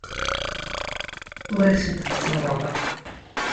Ur asent-d-ttennḍeɣ.